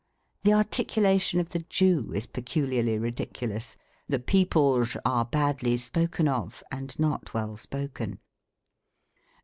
The articulation of the Jew is peculiarly ridiculous. The " peoplesh " are badly spoken of, and not well spoken.